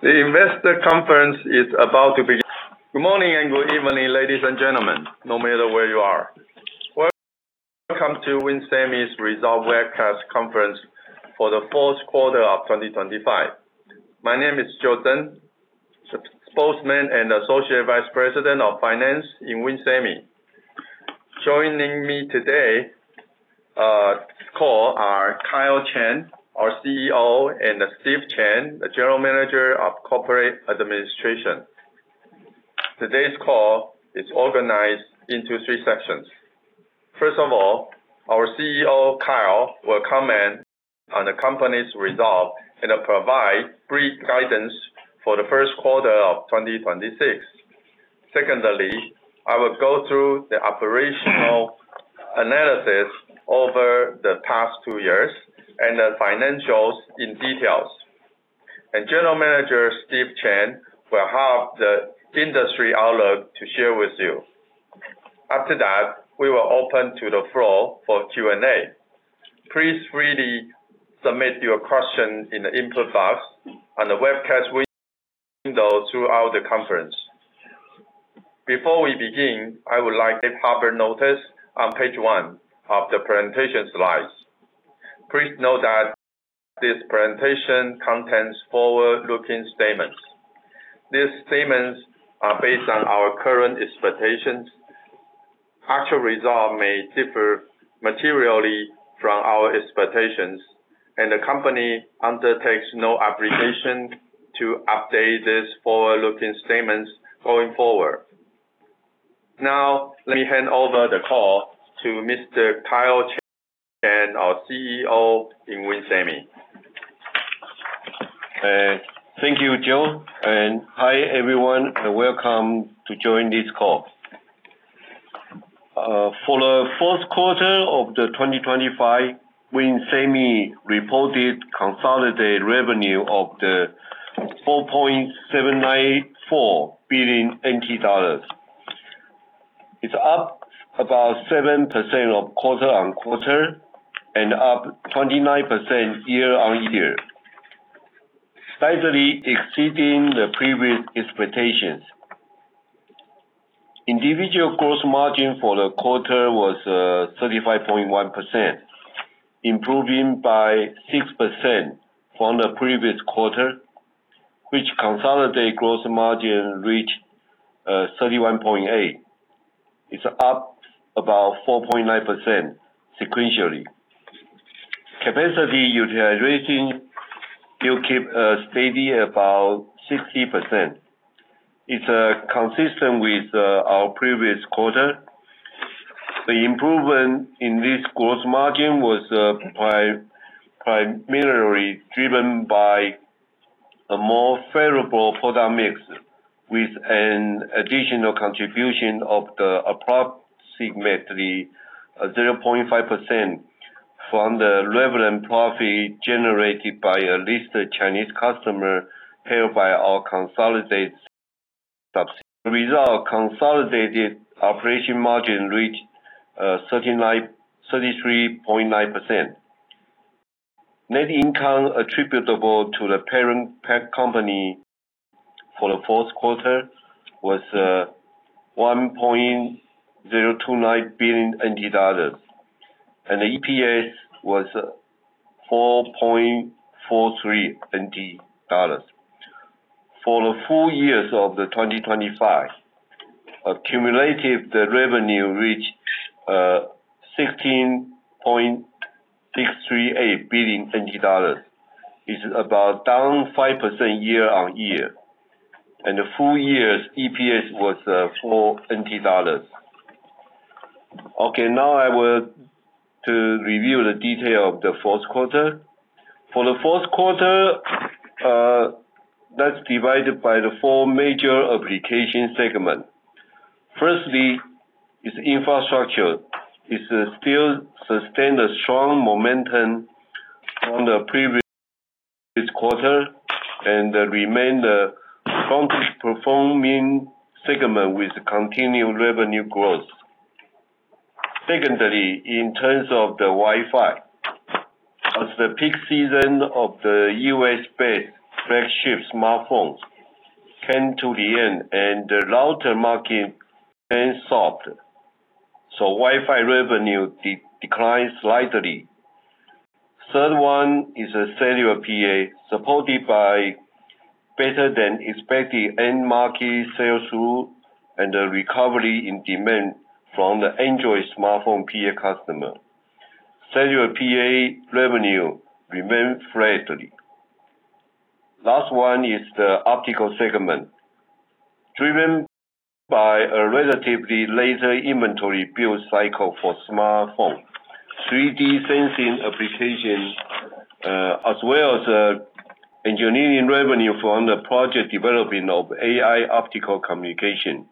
The investor conference is about to. Good morning and good evening, ladies and gentlemen, no matter where you are. Welcome to WIN Semi's Result Webcast Conference for the fourth quarter of 2025. My name is Joe Tseng, Spokesman and Associate Vice President of Finance in WIN Semi. Joining me today on call are Kyle Chen, our CEO, and Steve Chen, the General Manager of Corporate Administration. Today's call is organized into three sections. First of all, our CEO, Kyle, will comment on the company's result and provide brief guidance for the first quarter of 2026. Secondly, I will go through the operational analysis over the past two years and the financials in details. General Manager Steve Chen will have the industry outlook to share with you. After that, we will open to the floor for Q&A. Please freely submit your questions in the input box on the webcast window throughout the conference. Before we begin, I would like to draw your notice on page one of the presentation slides. Please note that this presentation contains forward-looking statements. These statements are based on our current expectations. Actual results may differ materially from our expectations, and the company undertakes no obligation to update these forward-looking statements going forward. Now, let me hand over the call to Mr. Kyle Chen, our CEO in WIN Semi. Thank you, Joe. Hi everyone, and welcome to join this call. For the fourth quarter of 2025, WIN Semi reported consolidated revenue of 4.794 billion NT dollars. It's up about 7% quarter-on-quarter and up 29% year-on-year, slightly exceeding the previous expectations. Individual gross margin for the quarter was 35.1%, improving by 6% from the previous quarter, which consolidated gross margin reached 31.8%. It's up about 4.9% sequentially. Capacity utilization will keep steady about 60%. It's consistent with our previous quarter. The improvement in this gross margin was primarily driven by a more favorable product mix, with an additional contribution of approximately 0.5% from the revenue profit generated by a listed Chinese customer paid by our consolidated subsidiary. The result consolidated operating margin reached 33.9%. Net income attributable to the parent company for the fourth quarter was 1.029 billion NT dollars, and the EPS was 4.43 NT dollars. For the full year of 2025, accumulative revenue reached TWD 16.638 billion. It's about down 5% year-on-year, and the full year's EPS was 4 billion NT dollars. Okay, now I will review the detail of the fourth quarter. For the fourth quarter, that's divided by the four major application segments. Firstly, it's infrastructure. It still sustained a strong momentum from the previous quarter and remained a strongly performing segment with continued revenue growth. Secondly, in terms of the Wi-Fi, as the peak season of the US-based flagship smartphones came to the end and the router market went soft, so Wi-Fi revenue declined slightly. Third one is cellular PA, supported by better-than-expected end-market sales through and recovery in demand from the Android smartphone PA customer. Cellular PA revenue remained flat. Last one is the optical segment, driven by a relatively later inventory build cycle for smartphone. 3D Sensing application as well as engineering revenue from the project development of AI optical communication.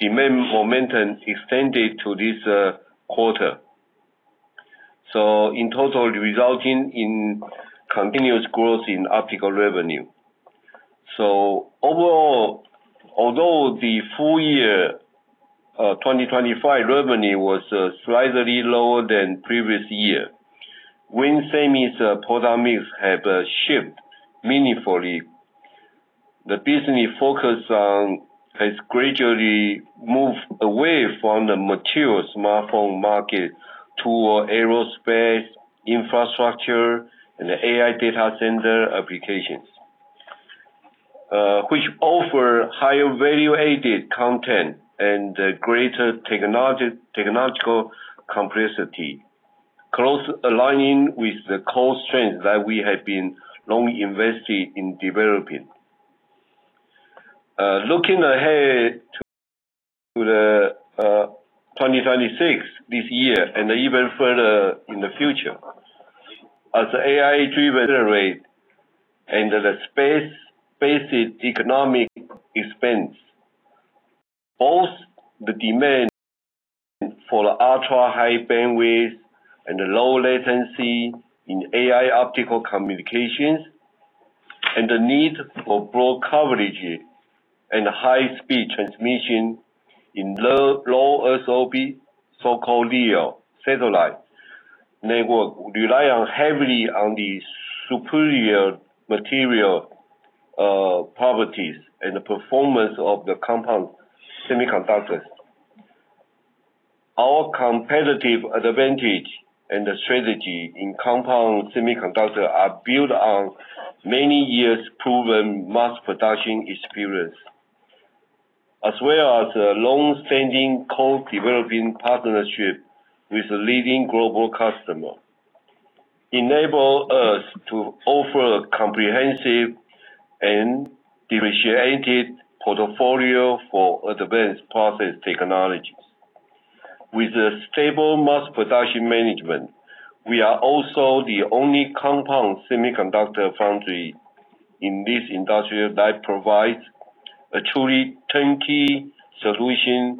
Demand momentum extended to this quarter, so in total resulting in continuous growth in optical revenue. So overall, although the full year 2025 revenue was slightly lower than previous year, WIN Semi's product mix has shifted meaningfully. The business focus has gradually moved away from the mature smartphone market toward aerospace, infrastructure, and AI data center applications, which offer higher valuated content and greater technological complexity, closely aligning with the core strengths that we have been long invested in developing. Looking ahead to 2026, this year, and even further in the future, as AI-driven. Accelerating the space-based economy expands both the demand for ultra-high bandwidth and low latency in AI optical communications, and the need for broad coverage and high-speed transmission in low Earth orbit, so-called LEO satellite network, rely heavily on the superior material properties and the performance of the compound semiconductors. Our competitive advantage and strategy in compound semiconductors are built on many years' proven mass production experience, as well as a longstanding co-developing partnership with a leading global customer, enable us to offer a comprehensive and differentiated portfolio for advanced process technologies. With stable mass production management, we are also the only compound semiconductor foundry in this industry that provides a truly turnkey solution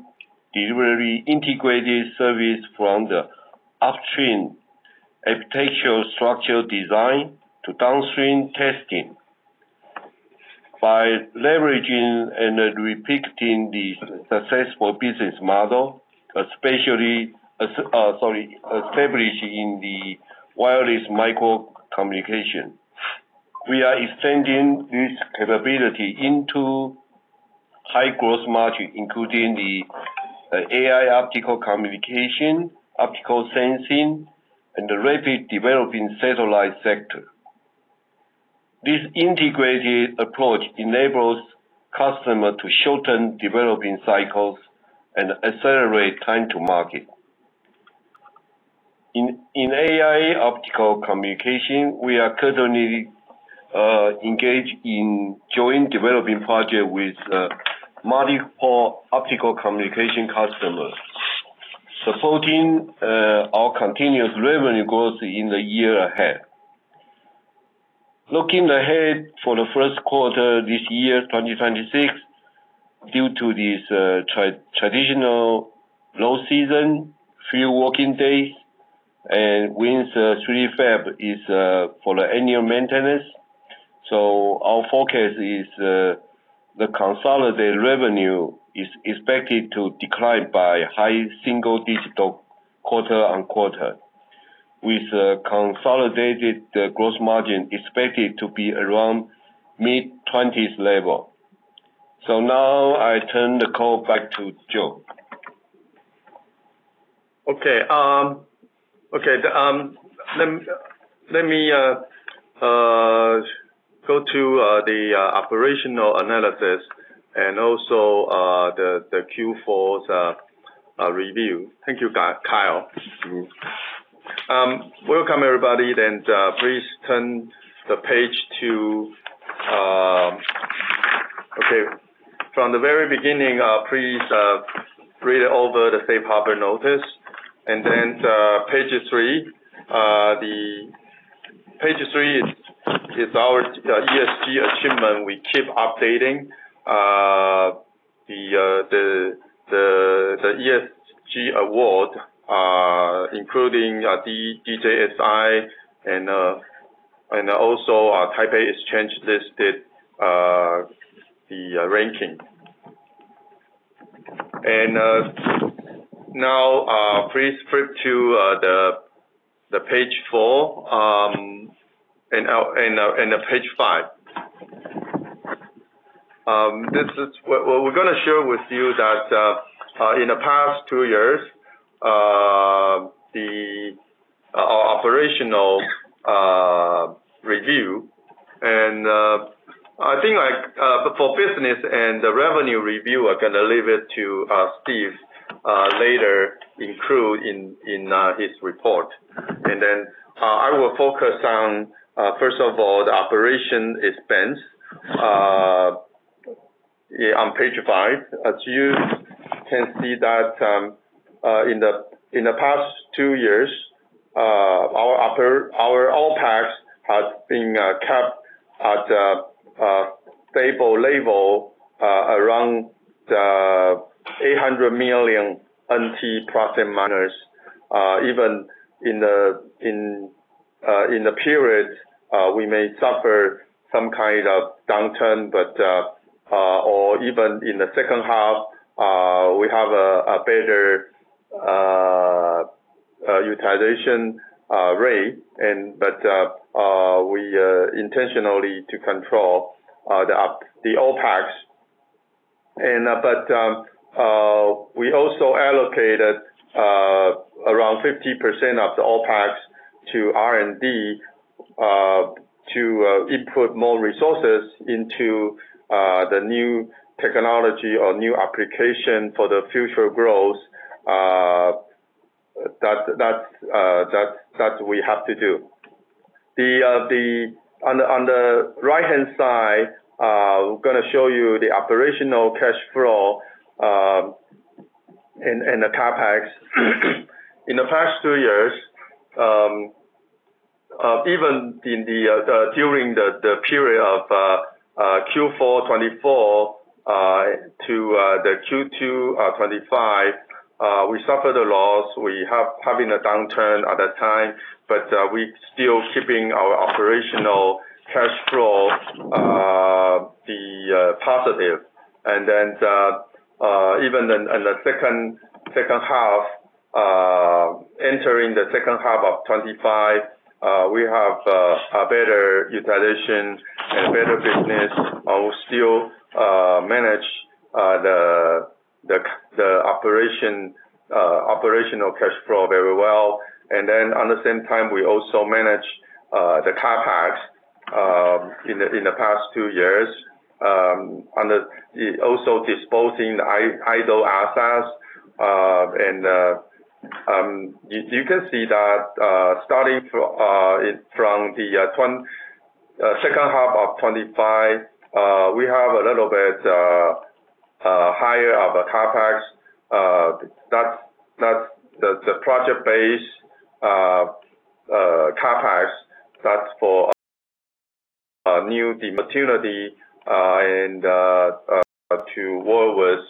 delivery integrated service from the upstream architectural structure design to downstream testing. By leveraging and repeating the successful business model, especially established in the wireless microwave communication, we are extending this capability into high gross margin, including the AI optical communication, optical sensing, and the rapidly developing satellite sector. This integrated approach enables customers to shorten development cycles and accelerate time to market. In AI optical communication, we are currently engaged in joint development projects with multiple optical communication customers, supporting our continuous revenue growth in the year ahead. Looking ahead for the first quarter this year, 2026, due to this traditional low season, few working days, and WIN Semi fab is for the annual maintenance, so our forecast is the consolidated revenue is expected to decline by high single-digit quarter-on-quarter, with consolidated gross margin expected to be around mid-20s level. So now I turn the call back to Joe. Okay. Okay. Let me go to the operational analysis and also the Q4 review. Thank you, Kyle. Welcome, everybody. Then please turn the page. From the very beginning, please read over the Safe Harbor notice. Then page 3. Page 3 is our ESG achievement. We keep updating the ESG award, including DJSI and also Taipei Exchange listed the ranking. And now please flip to page 4 and page 5. We're going to share with you that in the past 2 years, our operational review and I think for business and the revenue review, I'm going to leave it to Steve later include in his report. Then I will focus on, first of all, the operating expense on page 5. As you can see that in the past 2 years, our OPEX has been kept at a stable level around TWD 800 million profit margins. Even in the period, we may suffer some kind of downturn, but—or even in the second half—we have a better utilization rate, but we intentionally control the OPEX. But we also allocated around 50% of the OPEX to R&D to input more resources into the new technology or new application for the future growth that we have to do. On the right-hand side, I'm going to show you the operational cash flow and the CAPEX. In the past two years, even during the period of Q4 2024-Q2 2025, we suffered a loss. We were having a downturn at that time, but we're still keeping our operational cash flow positive. Even in the second half, entering the second half of 2025, we have a better utilization and better business. We still manage the operational cash flow very well. And then at the same time, we also manage the CAPEX in the past two years, also disposing of idle assets. And you can see that starting from the second half of 2025, we have a little bit higher of a CAPEX. That's the project-based CAPEX. That's for new opportunity and to work with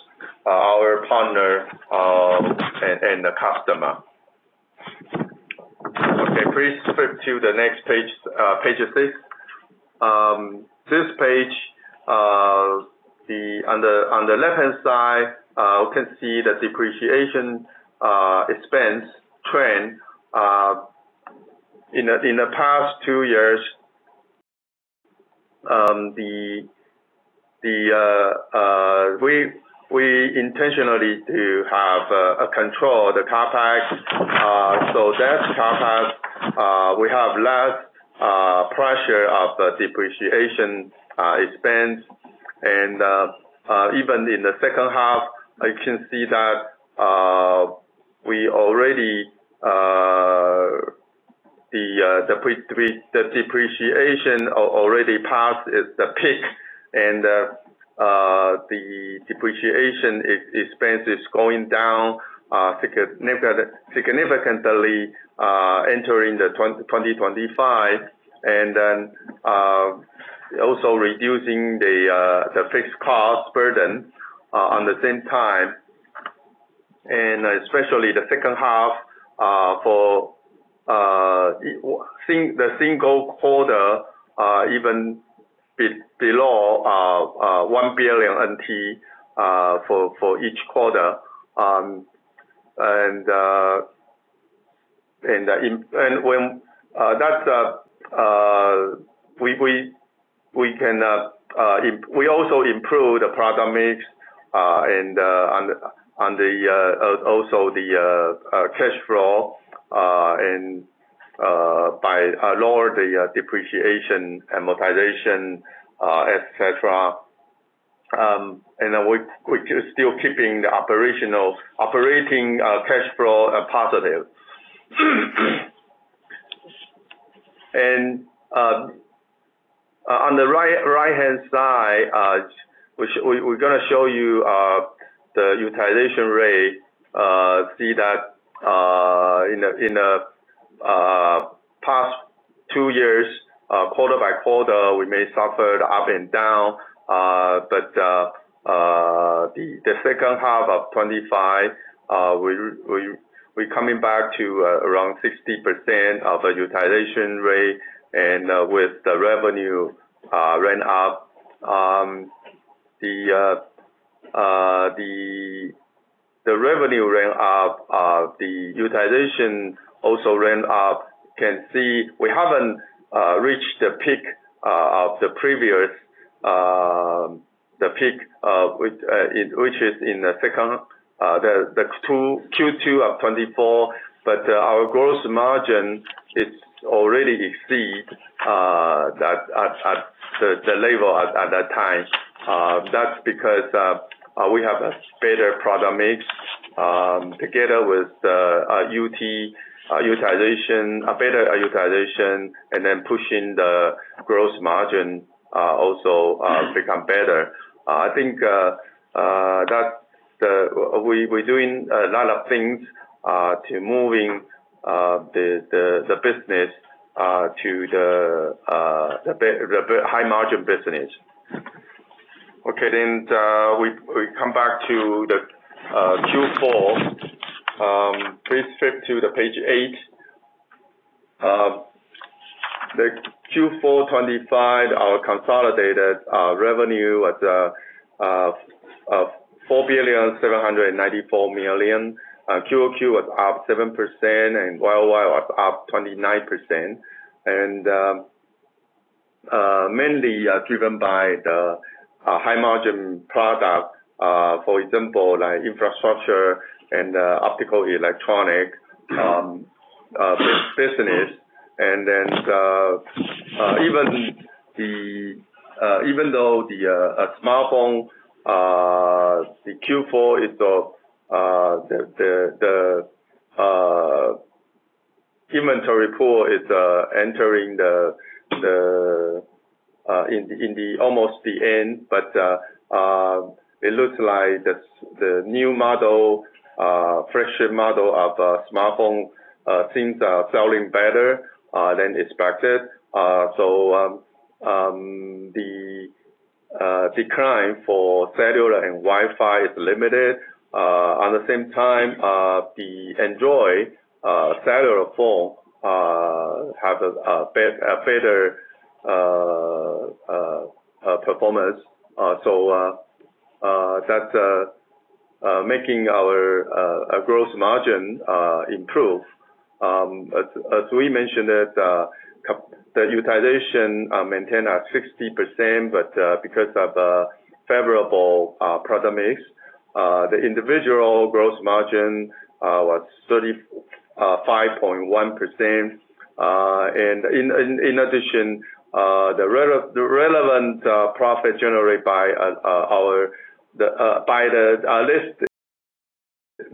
our partner and the customer. Okay. Please flip to the next page, page 6. This page, on the left-hand side, you can see the depreciation expense trend. In the past two years, we intentionally have a control of the CAPEX so that CAPEX, we have less pressure of depreciation expense. And even in the second half, you can see that we already the depreciation already passed the peak, and the depreciation expense is going down significantly entering 2025, and then also reducing the fixed cost burden at the same time. And especially the second half, the single quarter, even below 1 billion NT for each quarter. And that's. But we can we also improve the product mix and also the cash flow by lowering the depreciation, amortization, etc. And we're still keeping the operating cash flow positive. And on the right-hand side, we're going to show you the utilization rate. See that in the past 2 years, quarter by quarter, we may suffer the up and down, but the second half of 2025, we're coming back to around 60% of a utilization rate, and with the revenue ramp up, the revenue ramp up, the utilization also ramp up. Can see we haven't reached the peak of the previous, the peak which is in the second Q2 of 2024, but our gross margin already exceeds the level at that time. That's because we have a better product mix together with UT utilization, a better utilization, and then pushing the gross margin also become better. I think that we're doing a lot of things to moving the business to the high-margin business. Okay. Then we come back to the Q4. Please flip to the page 8. The Q4 2025, our consolidated revenue was 4,794 million. QoQ was up 7%, and YOY was up 29%, and mainly driven by the high-margin product, for example, infrastructure and optical electronic business. And then even though the smartphone, the Q4 is the inventory pull is entering almost the end, but it looks like the new model, fresh model of smartphone seems selling better than expected. So the decline for cellular and Wi-Fi is limited. At the same time, the Android cellular phone have a better performance. So that's making our gross margin improve. As we mentioned, the utilization maintained at 60%, but because of favorable product mix, the individual gross margin was 35.1%. And in addition, the relevant profit generated by our by the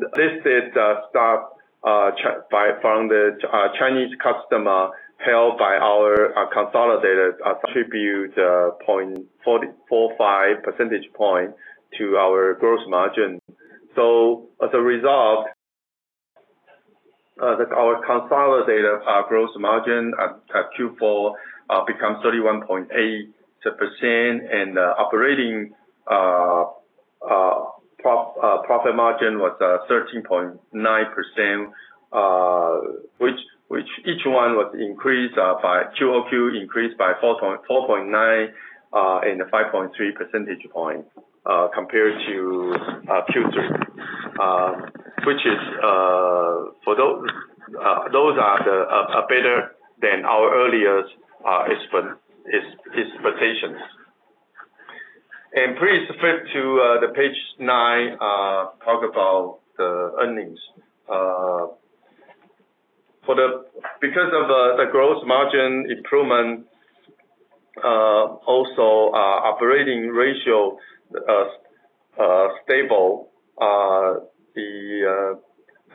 listed stock from the Chinese customer held by our consolidated contributed 0.45 percentage point to our gross margin. So as a result, our consolidated gross margin at Q4 becomes 31.8%, and the operating profit margin was 13.9%, which each one was increased by QoQ by 4.9 and 5.3 percentage points compared to Q3, which is for those are better than our earlier expectations. And please flip to page 9, talk about the earnings. Because of the gross margin improvement, also operating ratio stable, the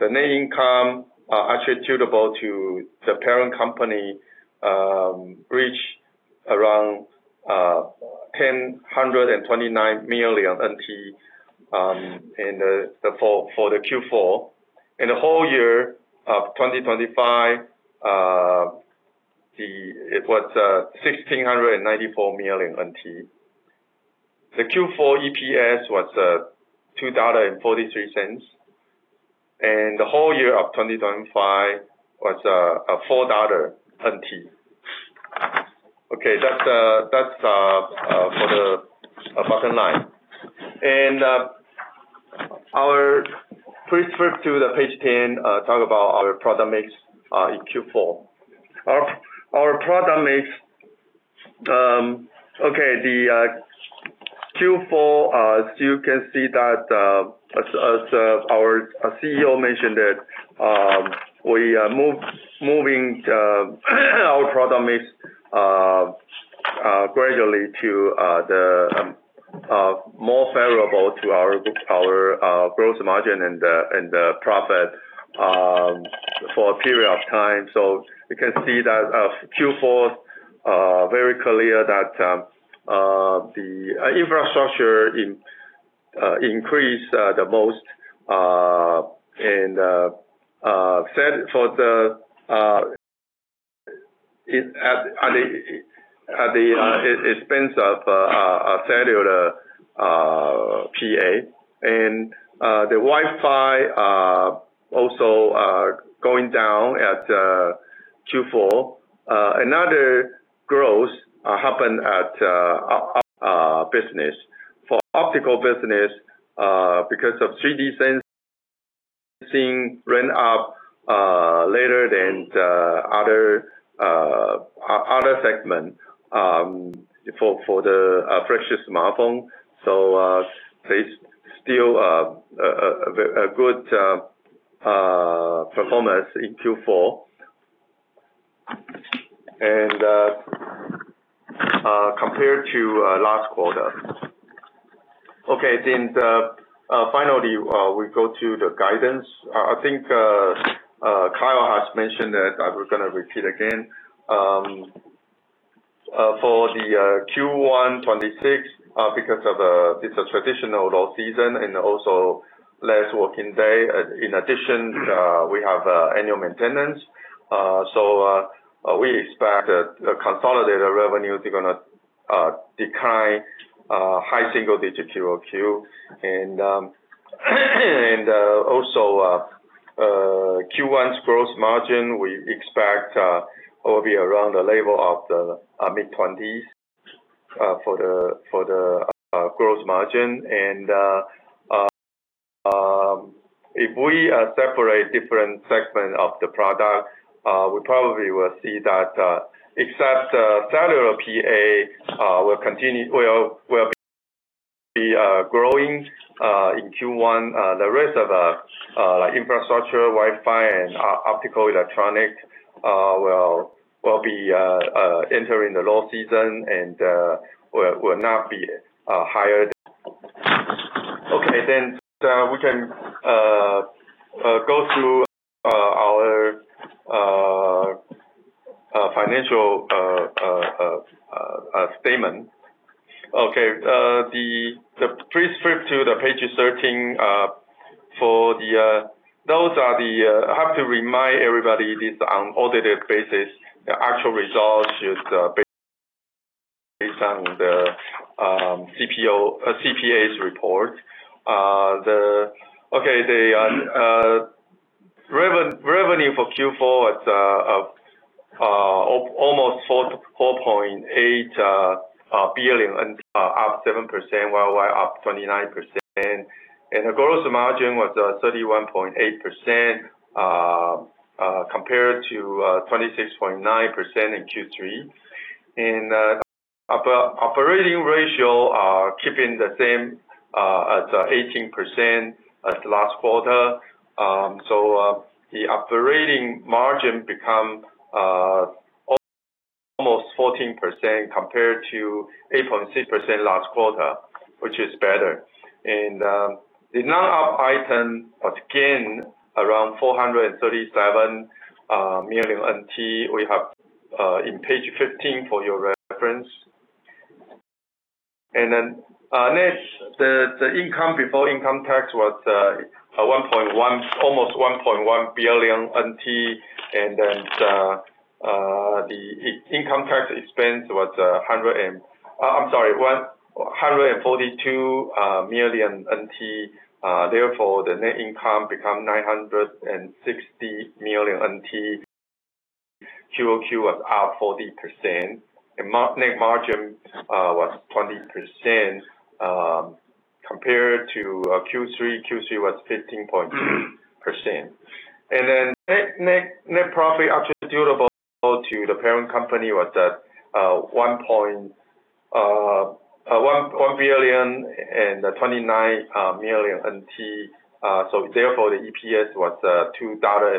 net income attributable to the parent company reached around TWD 1,029 million for the Q4. In the whole year of 2025, it was 1,694 million NT. The Q4 EPS was 2.43 dollar, and the whole year of 2025 was 4.00 dollar. Okay. That's for the bottom line. Please flip to page 10, talk about our product mix in Q4. Our product mix, okay, the Q4, as you can see that as our CEO mentioned that we are moving our product mix gradually to the more favorable to our gross margin and profit for a period of time. So you can see that Q4, very clear that the infrastructure increased the most. For the expense of cellular PA and the Wi-Fi also going down at Q4, another growth happened at business. For optical business, because of 3D sensing ramp up later than other segment for the freshest smartphone, so there's still a good performance in Q4 compared to last quarter. Okay. Then finally, we go to the guidance. I think Kyle has mentioned that I'm going to repeat again. For the Q1 2026, because it's a traditional low season and also less working day, in addition, we have annual maintenance. So we expect the consolidated revenue is going to decline high single-digit QoQ. And also Q1's gross margin, we expect it will be around the level of the mid-20s% for the gross margin. And if we separate different segments of the product, we probably will see that except cellular PA, we'll be growing in Q1. The rest of the infrastructure, Wi-Fi, and optical electronic will be entering the low season and will not be higher. Okay. Then we can go through our financial statement. Okay. Please flip to page 13. For those, I have to remind everybody this is on an audited basis. The actual results should be based on the CPA's report. Okay. The revenue for Q4 was almost 4.8 billion. Up 7%, YOY up 29%, and the gross margin was 31.8% compared to 26.9% in Q3. Operating ratio keeping the same at 18% as last quarter. So the operating margin become almost 14% compared to 8.6% last quarter, which is better. And the non-op item, again, around 437 million NT, we have in page 15 for your reference. And then next, the income before income tax was almost 1.1 billion NT, and then the income tax expense was 100 and I'm sorry, 142 million NT. Therefore, the net income become 960 million NT. QoQ was up 40%, and net margin was 20% compared to Q3. Q3 was 15.2%. And then net profit attributable to the parent company was 1.029 billion. So therefore, the EPS was 2.43 dollar.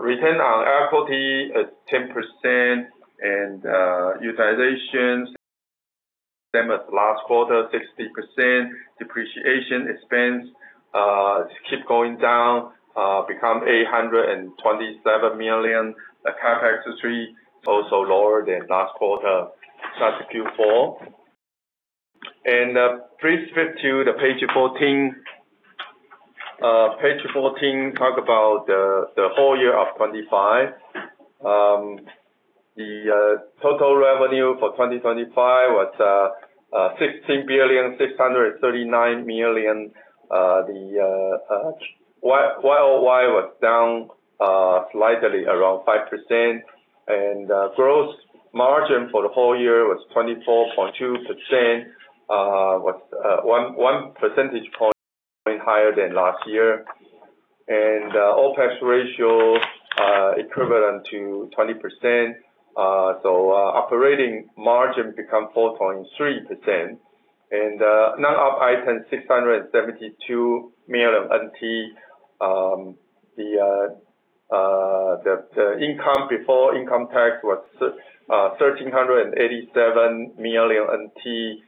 Return on equity is 10%, and utilization same as last quarter, 60%. Depreciation expense keeps going down, became 827 million. The CapEx was also lower than last quarter. That's Q4. Please flip to page 14. Page 14 talks about the whole year of 2025. The total revenue for 2025 was 16,639 million. The YOY was down slightly, around 5%, and gross margin for the whole year was 24.2%, one percentage point higher than last year. OPEX ratio equivalent to 20%. So operating margin became 4.3%. And non-op item, 672 million NT. The income before income tax was 1,387 million NT.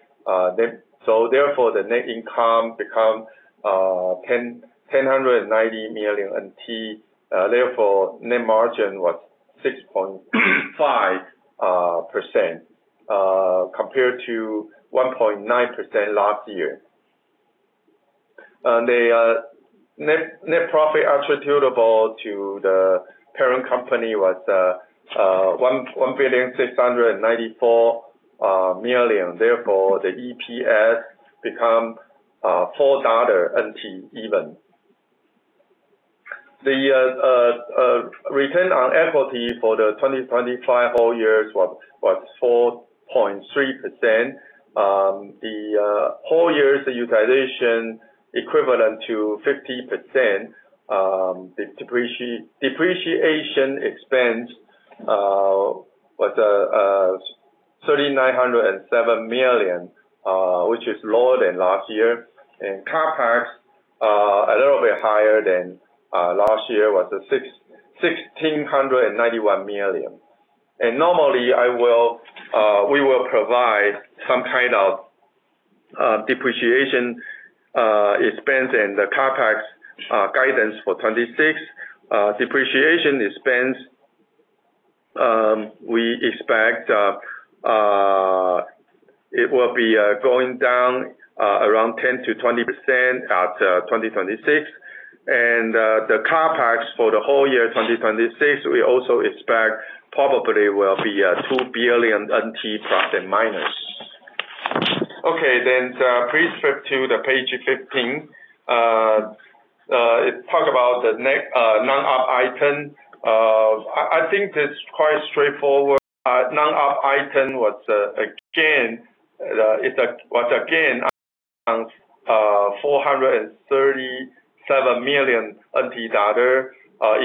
So therefore, the net income became 1,090 million NT. Therefore, net margin was 6.5% compared to 1.9% last year. And the net profit attributable to the parent company was 1,694 million. Therefore, the EPS became 4.00 NT dollars even. The return on equity for the 2025 whole years was 4.3%. The whole year's utilization equivalent to 50%. The depreciation expense was 3,907 million, which is lower than last year. And CapEx, a little bit higher than last year, was 1,691 million. And normally, we will provide some kind of depreciation expense and the CapEx guidance for 2026. Depreciation expense, we expect it will be going down around 10%-20% at 2026. And the CapEx for the whole year 2026, we also expect probably will be 2 billion NT plus and minus. Okay. Then please flip to the page 15. It talks about the non-op item. I think this is quite straightforward. Non-op item was a gain was a gain of TWD 437 million,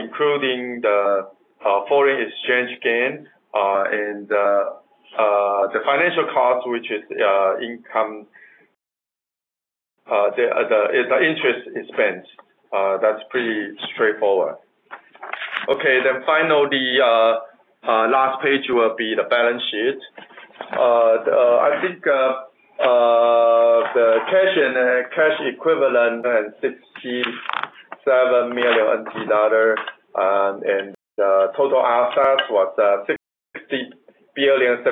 including the foreign exchange gain and the financial cost, which is income is the interest expense. That's pretty straightforward. Okay. Finally, the last page will be the balance sheet. I think the cash and cash equivalent [were] 67 million NT dollar, and total assets was 60,729 million NT. And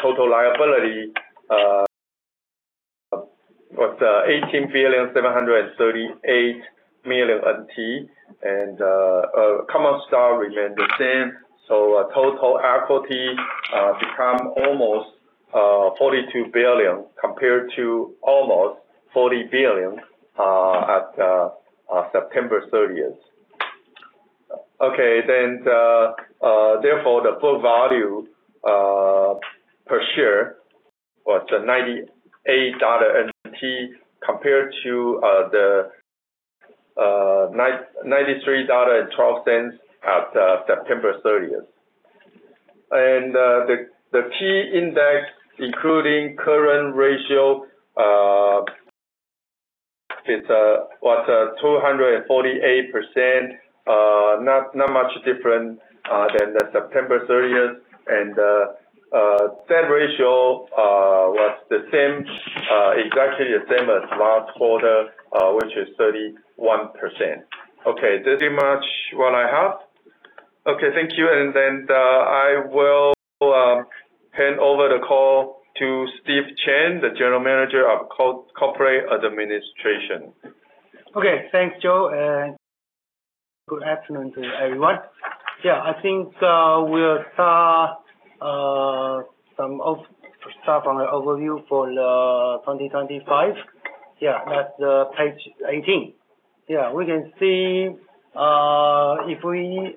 total liability was 18,738 million NT. And common stock remained the same. So total equity become almost 42 billion compared to almost 40 billion at September 30th. Okay. Then therefore, the book value per share was 98.00 NT dollars compared to the 0.9312 at September 30th. And the key index, including current ratio, was 248%, not much different than the September 30th. And debt ratio was exactly the same as last quarter, which is 31%. Okay. Pretty much what I have. Okay. Thank you. And then I will hand over the call to Steve Chen, the general manager of corporate administration. Okay. Thanks, Joe. Good afternoon to everyone. Yeah. I think we'll start some stuff on the overview for 2025. Yeah. That's page 18. Yeah. We can see if we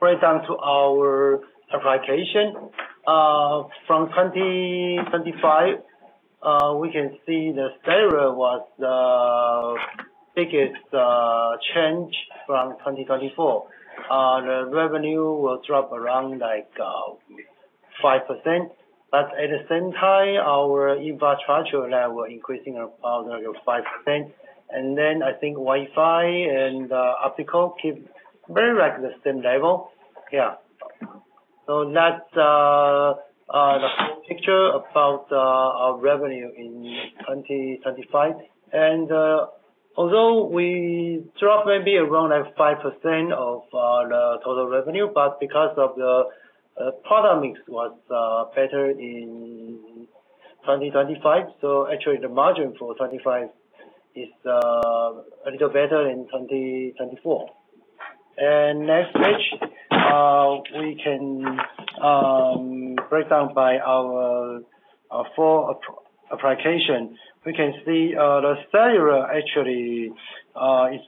break down to our application, from 2025, we can see the cellular was the biggest change from 2024. The revenue will drop around 5%. But at the same time, our infrastructure level increasing about 5%. And then I think Wi-Fi and optical keep very much the same level. Yeah. So that's the whole picture about our revenue in 2025. And although we dropped maybe around 5% of the total revenue, but because of the product mix was better in 2025, so actually, the margin for 2025 is a little better than 2024. Next page, we can break down by our full application. We can see the cellular actually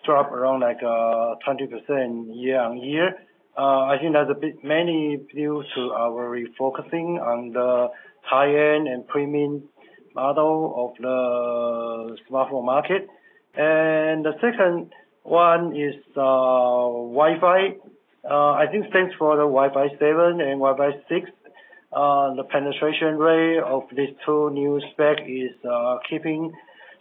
drop around 20% year-on-year. I think that's mainly due to our refocusing on the high-end and premium model of the smartphone market. And the second one is Wi-Fi. I think thanks for the Wi-Fi 7 and Wi-Fi 6, the penetration rate of these two new specs is keeping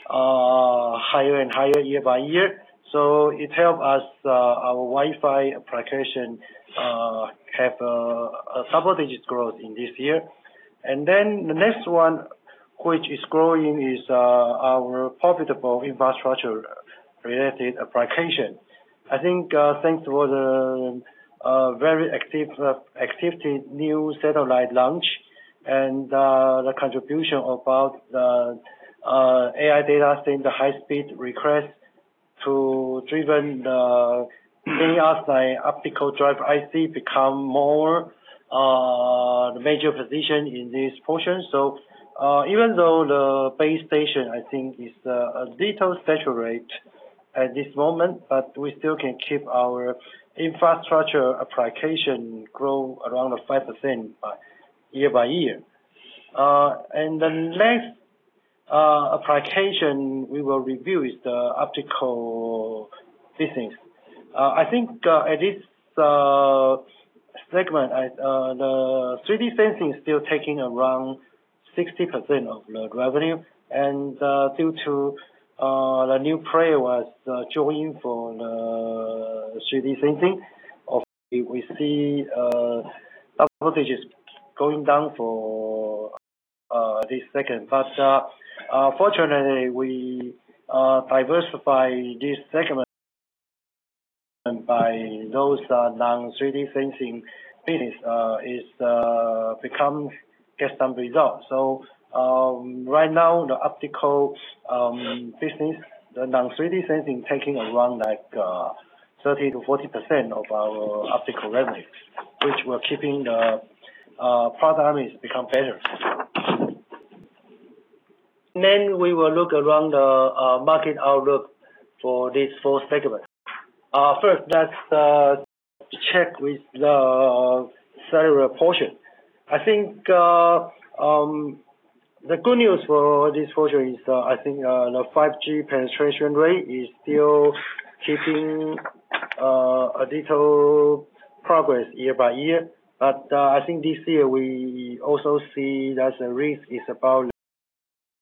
higher and higher year by year. So it helps us, our Wi-Fi application, have a double-digit growth in this year. And then the next one, which is growing, is our profitable infrastructure-related application. I think thanks for the very active new satellite launch and the contribution of both the AI data stream, the high-speed request to driven the optical drive IC become more the major position in this portion. So even though the base station, I think, is a little saturated at this moment, but we still can keep our infrastructure application grow around 5% year by year. The next application we will review is the optical business. I think at this segment, the 3D sensing is still taking around 60% of the revenue. Due to the new player who has joined for the 3D sensing, we see double-digit going down for this segment. But fortunately, we diversify this segment by those non-3D sensing business becomes get some results. Right now, the optical business, the non-3D sensing, taking around 30%-40% of our optical revenue, which we're keeping the product is become better. We will look around the market outlook for these four segments. First, let's check with the cellular portion. I think the good news for this portion is, I think, the 5G penetration rate is still keeping a little progress year by year. But I think this year, we also see that the risk is about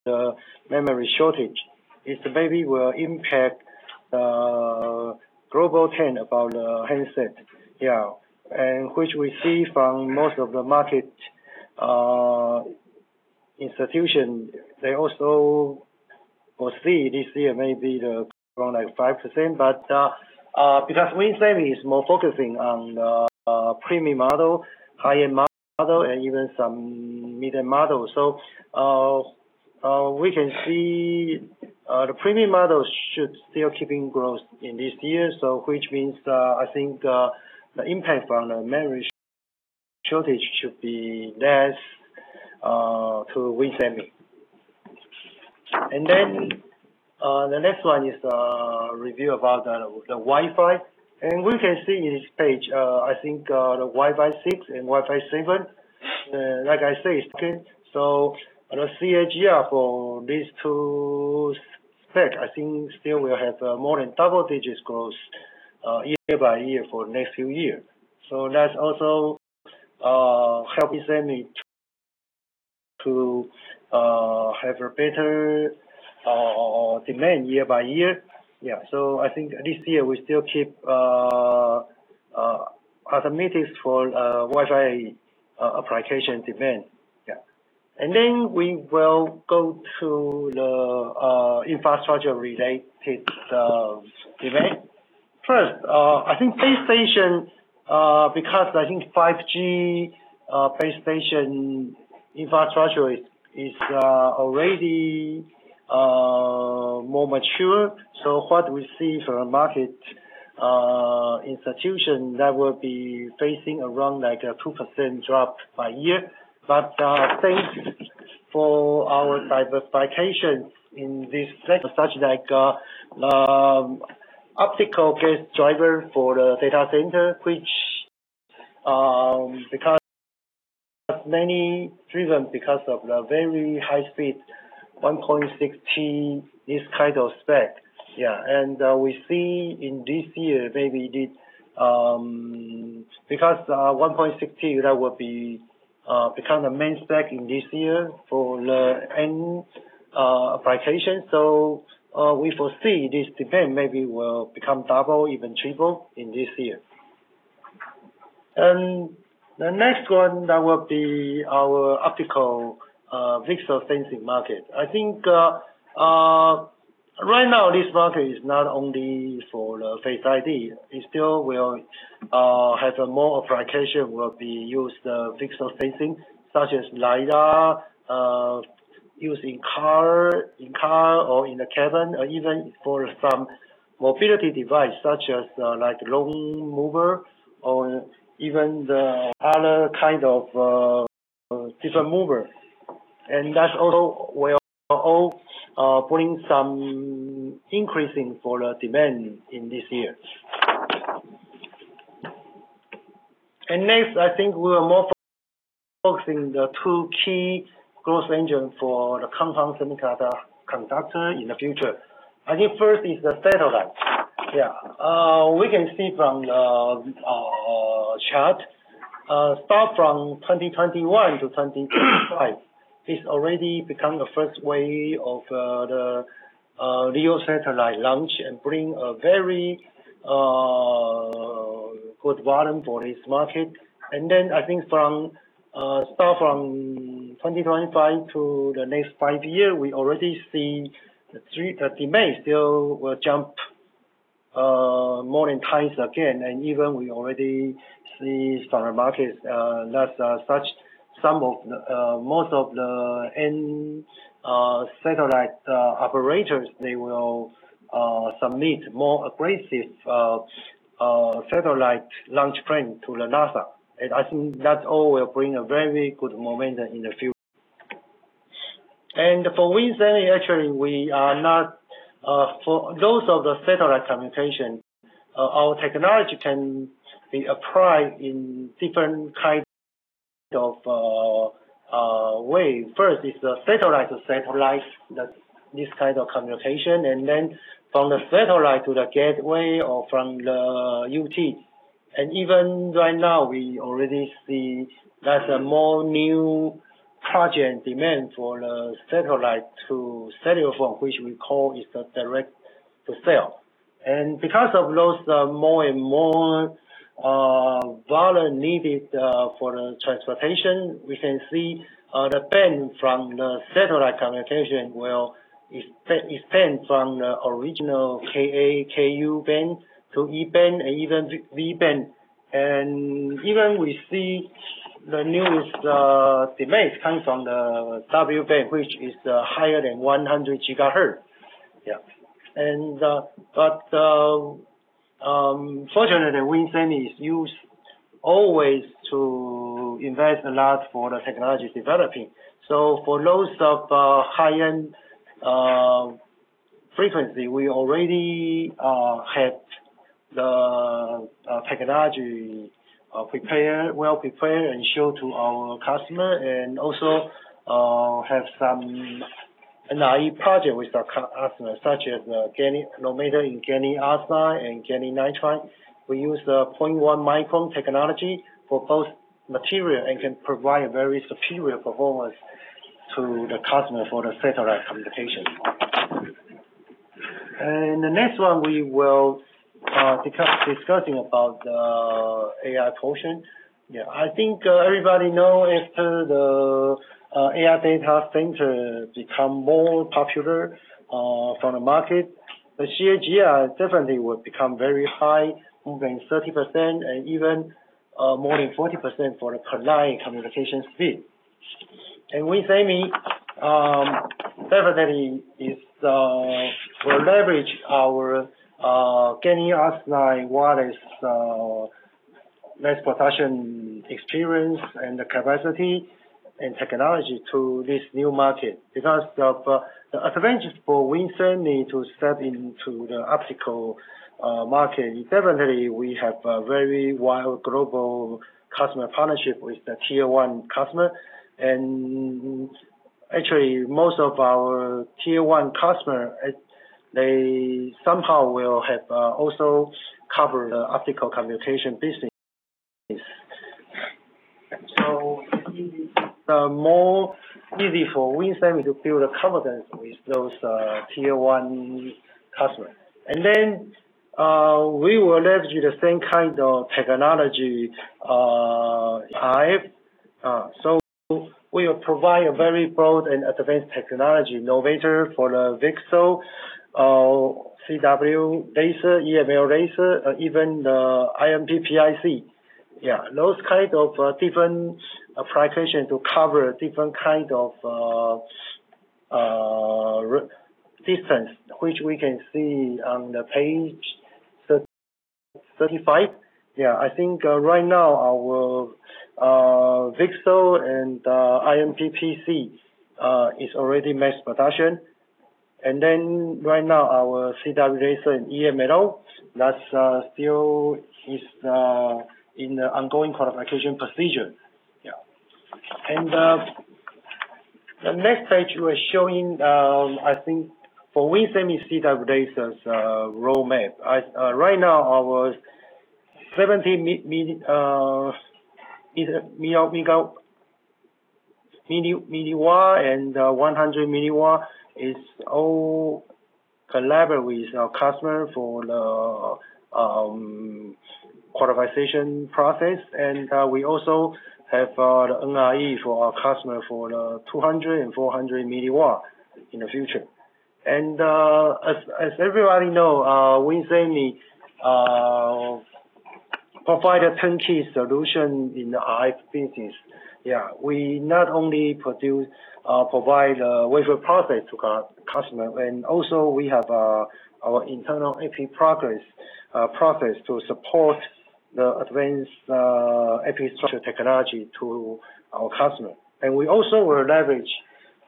the memory shortage. It may be will impact the global trend about the handset, yeah, and which we see from most of the market institutions. They also will see this year maybe around 5% because WIN Semiconductors is more focusing on the premium model, high-end model, and even some mid-end model. So we can see the premium model should still keeping growth in this year, which means I think the impact from the memory shortage should be less to WIN Semiconductors. And then the next one is a review about the Wi-Fi. And we can see in this page, I think, the Wi-Fi 6 and Wi-Fi 7, like I say. Market. So the CAGR for these two specs, I think, still will have more than double-digit growth year by year for the next few years. So that's also helping WIN Semiconductors to have a better demand year by year. Yeah. So I think this year, we still keep optics for Wi-Fi application demand. Yeah. And then we will go to the infrastructure-related demand. First, I think base station because I think 5G base station infrastructure is already more mature. So what we see for the market situation, that will be facing around 2% drop by year. But thanks to our diversification in this. Such as optical key driver for the data center, which is driven because of the very high-speed 1.6T, this kind of spec. Yeah. And we see in this year maybe because 1.6T, that will become the main spec in this year for the end application. So we foresee this demand maybe will become double, even triple in this year. And the next one that will be our optical 3D sensing market. I think right now, this market is not only for the Face ID. It still will have more application will be used pixel sensing such as LiDAR used in car or in the cabin or even for some mobility device such as like the robotic mower or even the other kind of different mover. That also will all bring some increasing for the demand in this year. Next, I think we will more focusing the two key growth engines for the compound semiconductor in the future. I think first is the satellite. Yeah. We can see from the chart, start from 2021 to 2025, it's already become the first wave of the LEO satellite launch and bring a very good volume for this market. Then I think start from 2025 to the next 5 year, we already see the demand still will jump more than twice again. Even we already see from the market, that's such some of the most of the end satellite operators, they will submit more aggressive satellite launch plan to the NASA. I think that all will bring a very good momentum in the future. For WIN Semiconductors, actually, we are not for those of the satellite communication, our technology can be applied in different kind of way. First is the satellite-to-satellite, this kind of communication, and then from the satellite to the gateway or from the UT. Even right now, we already see that's a more new project demand for the satellite to cellular phone, which we call is the direct-to-cell. Because of those more and more volume needed for the transportation, we can see the band from the satellite communication will extend from the original Ku-band to E-band and even V-band. And even we see the newest demands come from the W-band, which is higher than 100 GHz. Yeah. But fortunately, WIN Semiconductors is used always to invest a lot for the technology developing. So for those of high-end frequency, we already have the technology well-prepared and showed to our customer and also have some NRE project with our customer such as the MMIC in GaAs and GaN. We use the 0.1-micron technology for both material and can provide a very superior performance to the customer for the satellite communication. And the next one, we will be discussing about the AI portion. Yeah. I think everybody know after the AI data center become more popular from the market, the CAGR definitely will become very high, moving 30% and even more than 40% for the optical communication speed. WIN Semiconductors, definitely, will leverage our GaAs while it's less production experience and the capacity and technology to this new market. Because of the advantage for WIN Semiconductors to step into the optical market, definitely, we have a very wide global customer partnership with the tier-one customer. And actually, most of our tier-one customer, they somehow will have also covered the optical communication business. So it's more easy for WIN Semiconductors to build a confidence with those tier-one customers. And then we will leverage the same kind of technology in InP. So we will provide a very broad and advanced technology innovator for the VCSEL, CW laser, EML laser, even the InP PIC. Yeah. Those kind of different application to cover different kind of distance, which we can see on the page 35. Yeah. I think right now, our VCSEL and InP PIC is already mass production. Then right now, our CW laser and EML, that still is in the ongoing qualification procedure. Yeah. And the next page, we're showing, I think, for WIN Semiconductors, CW laser's roadmap. Right now, our 70 milliwatt and 100 milliwatt is all collaborate with our customer for the qualification process. And we also have the NRE for our customer for the 200 and 400 milliwatt in the future. And as everybody know, WIN Semiconductors provide a turnkey solution in the NRE business. Yeah. We not only provide the wafer process to our customer, and also we have our internal AP process to support the advanced AP technology to our customer. And we also will leverage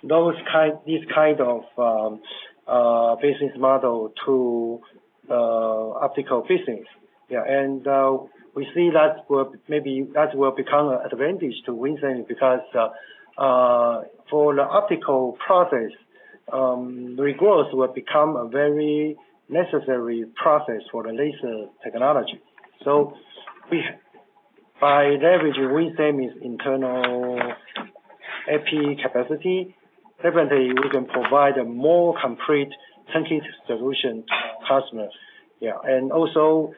this kind of business model to the optical business. Yeah. We see that maybe that will become an advantage to WIN Semiconductors because for the optical process, regrowth will become a very necessary process for the laser technology. So by leveraging WIN Semiconductors' internal AP capacity, definitely, we can provide a more complete turnkey solution to our customer. Yeah. And also,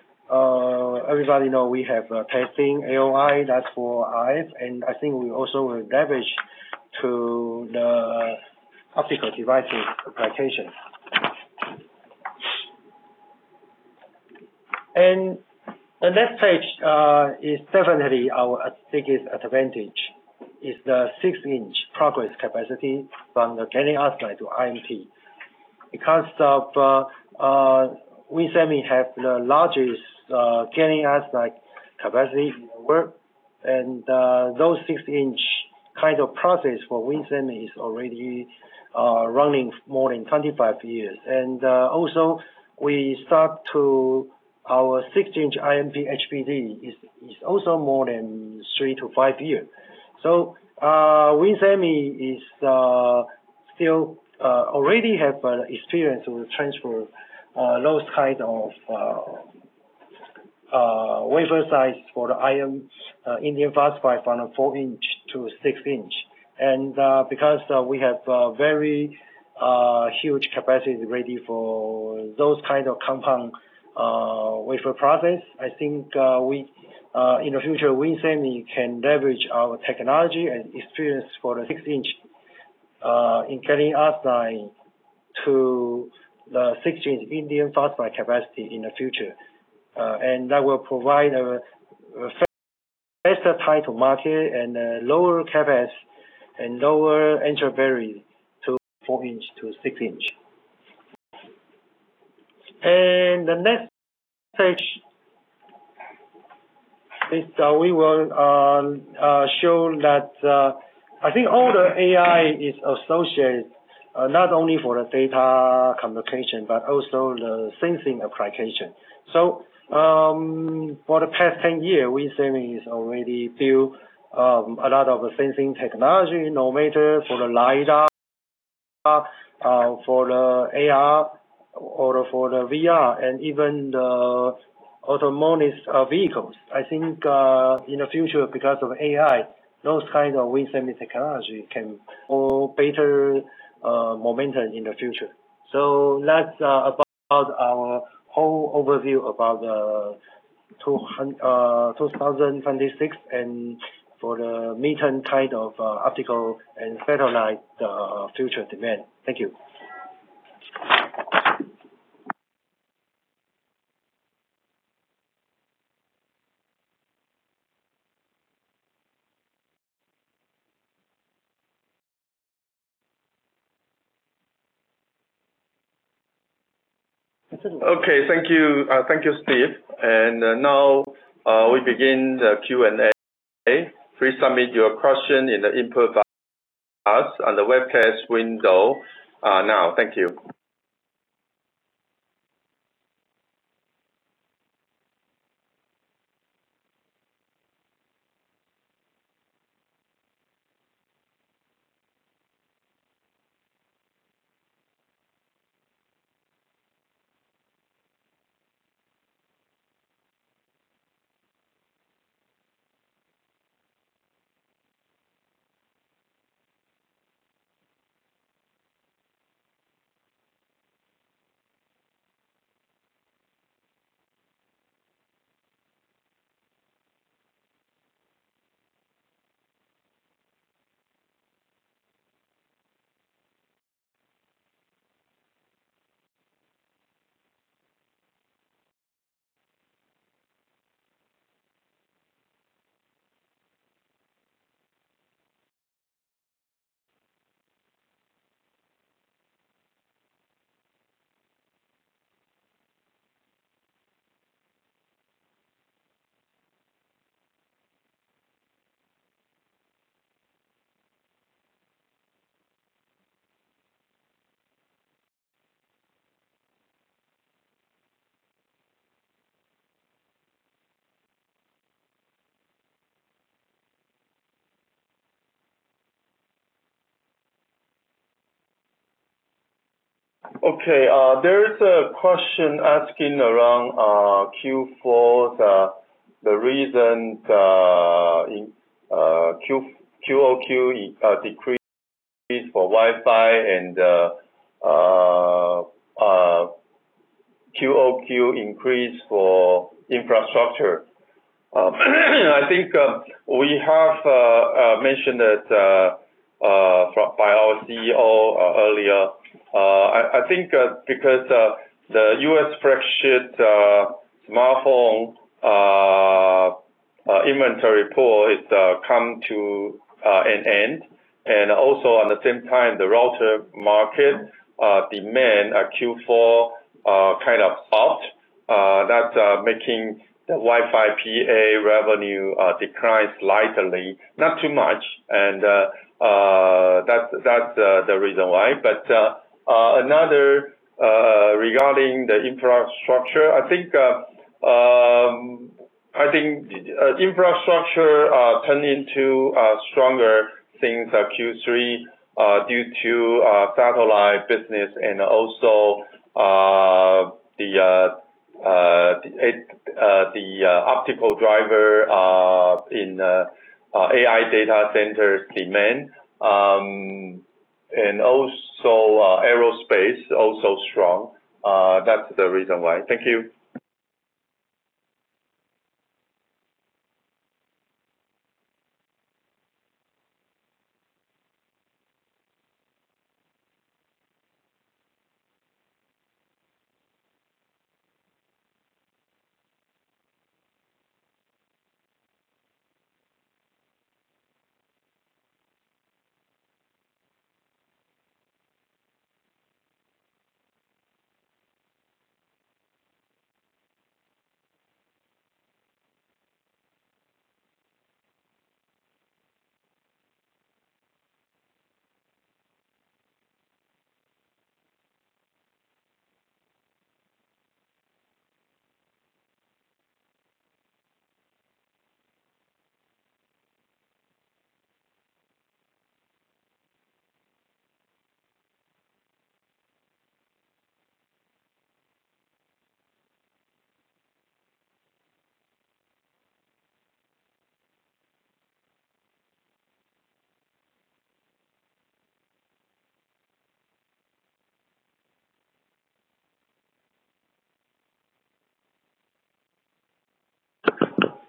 everybody know we have testing AOI, that's for NIF. And I think we also will leverage to the optical devices application. And the next page is definitely our biggest advantage, is the 6-inch process capacity from the GaAs to InP because WIN Semiconductors have the largest GaAs capacity in the world. And those 6-inch kind of process for WIN Semiconductors is already running more than 25 years. And also, we start to our 6-inch InP HBT is also more than 3-5 years. So WIN Semiconductors already have experience with transfer those kind of wafer size for the InP Phosphide from the 4-inch to 6-inch. Because we have very huge capacity ready for those kind of compound wafer process, I think in the future, WIN Semiconductors can leverage our technology and experience for the 6-inch in GaAs to the 6-inch InP Phosphide capacity in the future. That will provide a better tie to market and lower CAPEX and lower entry barrier to 4-inch to 6-inch. The next page is we will show that I think all the AI is associated not only for the data communication but also the sensing application. So for the past 10 years, WIN Semiconductors is already built a lot of the sensing technology, innovator for the LiDAR, for the AR, or for the VR, and even the autonomous vehicles. I think in the future, because of AI, those kind of WIN Semiconductors technology can more better momentum in the future. So that's about our whole overview about 2026 and for the mid-term kind of optical and satellite future demand. Thank you. Okay. Thank you, Steve. Now we begin the Q&A. Please submit your question in the input box on the webcast window now. Thank you. Okay. There is a question asking around Q4, the reason QoQ decrease for Wi-Fi and QoQ increase for infrastructure. I think we have mentioned it by our CEO earlier. I think because the U.S. flagship smartphone inventory pool is come to an end. And also at the same time, the router market demand Q4 kind of up. That's making the Wi-Fi PA revenue decline slightly, not too much. And that's the reason why. But another regarding the infrastructure, I think infrastructure turned into stronger things at Q3 due to satellite business and also the optical driver in AI data centers demand. And also aerospace, also strong. That's the reason why. Thank you.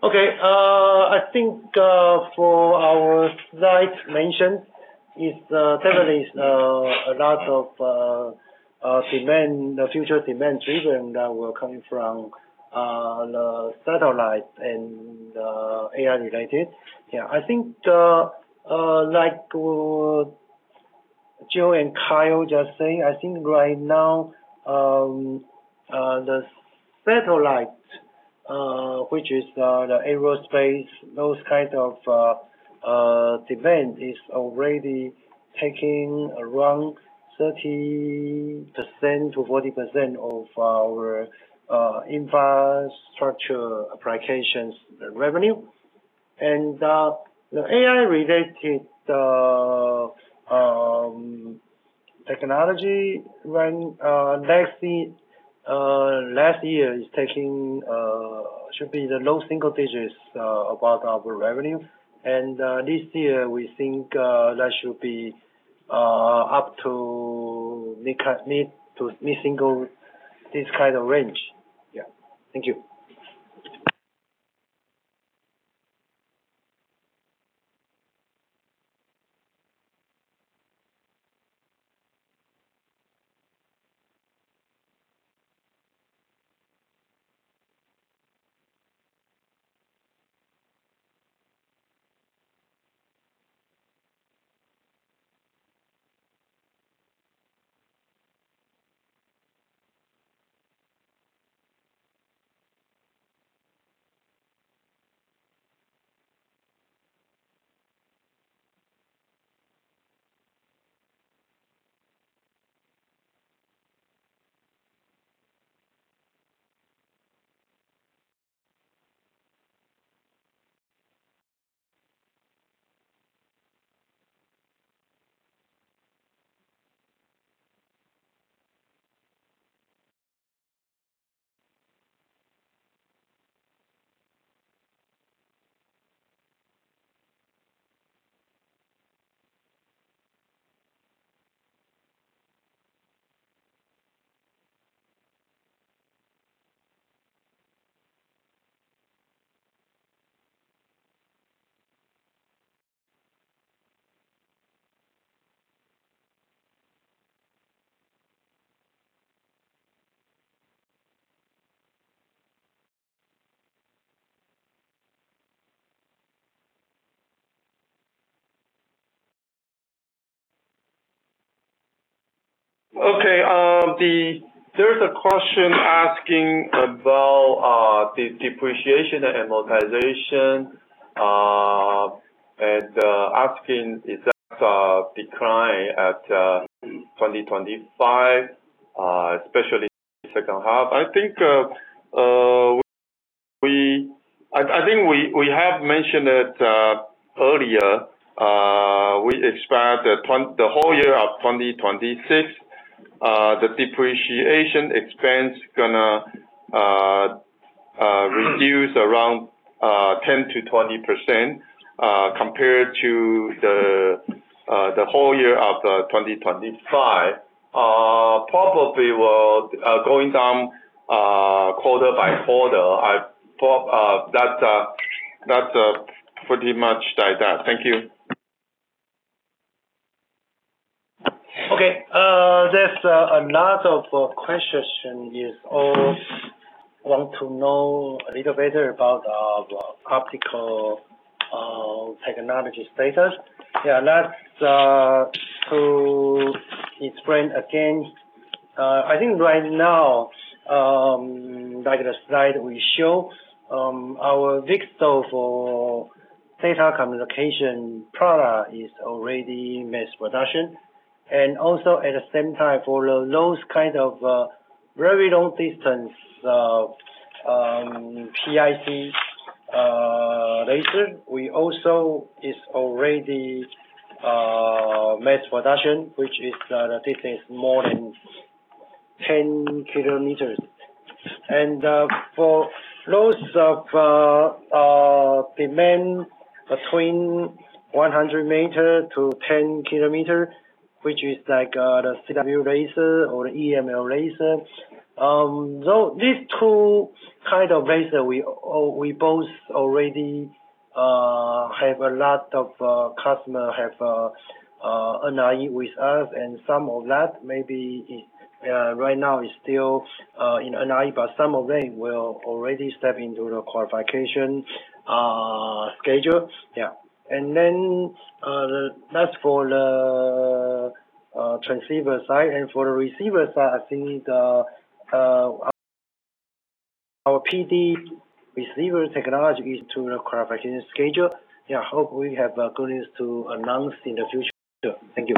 Okay. I think for our site mentioned, definitely, a lot of future demand driven that will come from the satellite and the AI related. Yeah. I think like Joe and Kyle just saying, I think right now, the satellite, which is the aerospace, those kind of demand is already taking around 30%-40% of our infrastructure applications revenue. And the AI related technology last year is taking should be the low single digits about our revenue. And this year, we think that should be up to mid-single this kind of range. Yeah. Thank you. Okay. There's a question asking about the depreciation and amortization and asking if that's a decline at 2025, especially second half. I think we have mentioned it earlier. We expect the whole year of 2026, the depreciation expense going to reduce around 10%-20% compared to the whole year of 2025. Probably will going down quarter by quarter. That's pretty much like that. Thank you. Okay. There's a lot of questions is all want to know a little better about our optical technology status. Yeah. That's to explain again, I think right now, like the slide we show, our VCSEL for data communication product is already mass production. And also at the same time, for those kind of very long distance PIC laser, we also is already mass production, which is the distance more than 10 kilometers. And for those of demand between 100-meter to 10-kilometer, which is like the CW laser or the EML laser. So these two kind of laser, we both already have a lot of customer have NRE with us. And some of that maybe right now is still in NRE, but some of them will already step into the qualification schedule. Yeah. And then that's for the transceiver side. For the receiver side, I think our PD receiver technology into the qualification schedule. Yeah. Hope we have good news to announce in the future. Thank you.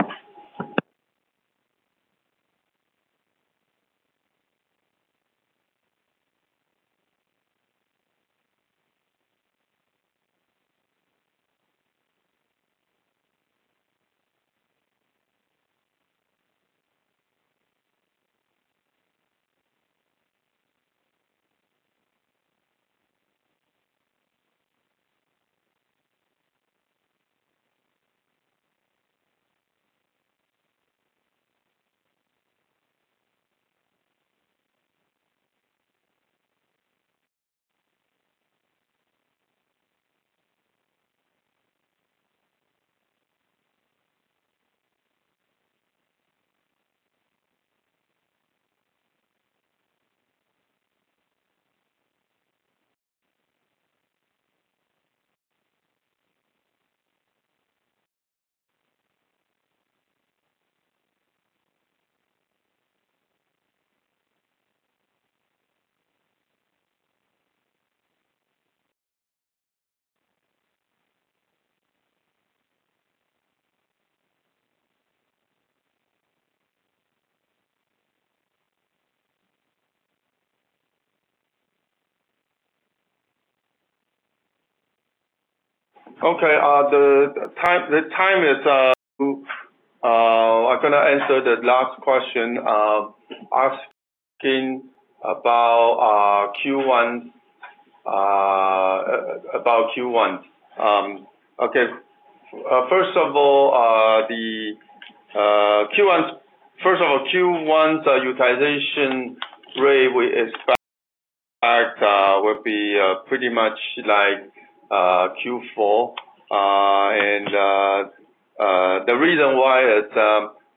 Okay. I'm going to answer the last question asking about Q1. Okay. First of all, Q1's utilization rate is expected to be pretty much like Q4. And the reason why is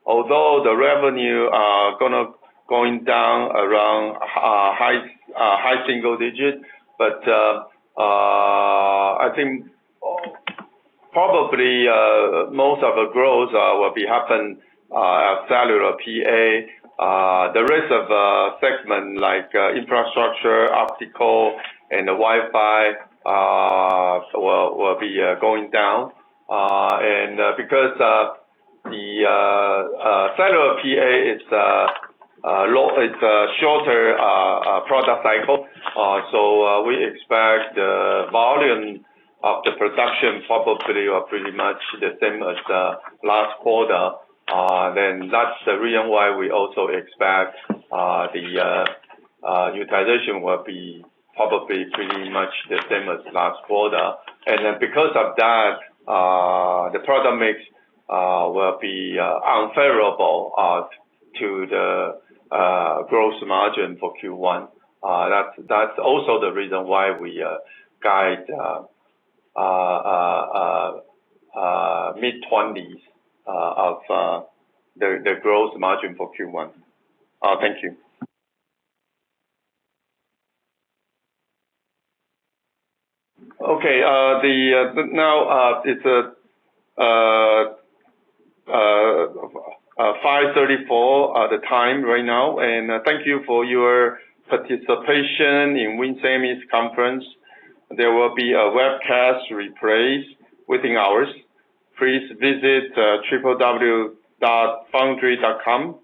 although the revenue going down around high single-digit, but I think probably most of the growth will happen at cellular PA. The rest of the segment like infrastructure, optical, and the Wi-Fi will be going down. And because the cellular PA is a shorter product cycle, so we expect the volume of the production probably will be pretty much the same as the last quarter. Then that's the reason why we also expect the utilization will be probably pretty much the same as last quarter. And then because of that, the product mix will be unfavorable to the gross margin for Q1. That's also the reason why we guide mid-20s of the growth margin for Q1. Thank you. Okay. Now it's 5:34 P.M. right now. Thank you for your participation in WIN Semiconductors Conference. There will be a webcast replay within hours. Please visit www.foundry.com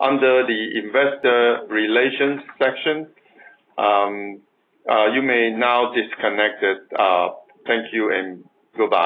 under the investor relations section. You may now disconnect. Thank you and goodbye.